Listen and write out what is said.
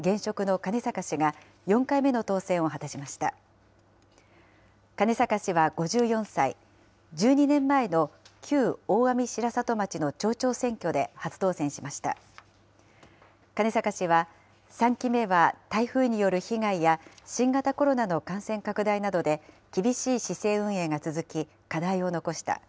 金坂氏は、３期目は台風による被害や新型コロナの感染拡大などで厳しい市政運営が続き、課題を残した。